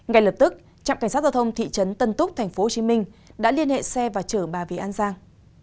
ngay lập tức trạm cảnh sát giao thông thị trấn tân túc tp hcm đã liên hệ xe và chở bà về an giang